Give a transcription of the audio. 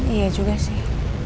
iya juga sih